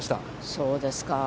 そうですか。